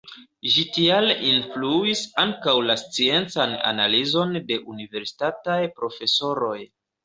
Ĝi tial influis ankaŭ la sciencan analizon de universitataj profesoroj.